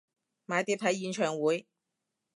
買碟睇演唱會？